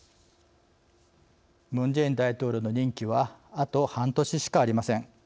ムン・ジェイン大統領の任期はあと半年しかありません。